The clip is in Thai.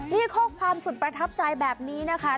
นี่ข้อความสุดประทับใจแบบนี้นะคะ